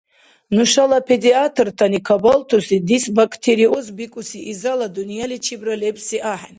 Нушала педиатртани кабалтуси дисбактериоз бикӀуси изала дунъяличибра лебси ахӀен.